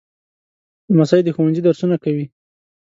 لمسی د ښوونځي درسونه کوي.